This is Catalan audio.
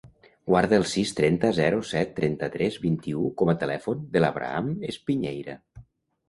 Guarda el sis, trenta, zero, set, trenta-tres, vint-i-u com a telèfon de l'Abraham Espiñeira.